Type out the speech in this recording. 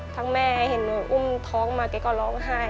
แม่เห็นหนูอุ้มท้องมาแกก็ร้องไห้